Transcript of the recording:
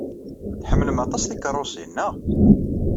Tḥemmlem aṭas tikeṛṛusin, naɣ?